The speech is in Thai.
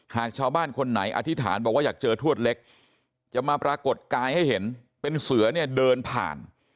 หากชาวบ้านคนไหนอธิษฐานบอกว่าอยากเจอทวดเล็กจะมาปรากฏกายให้เห็นเป็นเสือเนี่ยเดินผ่าน